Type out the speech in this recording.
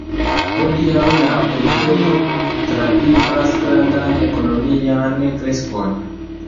Hodiaŭ la urbego travivas grandan ekonomian kreskon.